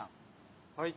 はい。